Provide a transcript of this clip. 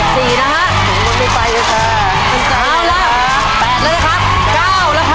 ไปรอให้สัญญาณนะครับ